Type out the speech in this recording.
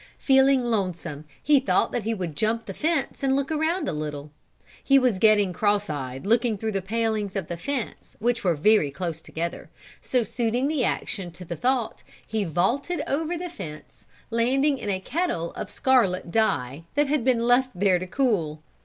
Feeling lonesome, he thought that he would jump the fence and look around a little. He was getting cross eyed looking through the palings of the fence which were very close together, so suiting the action to the thought, he vaulted over the fence, landing in a kettle of scarlet dye, that had been left there to cool.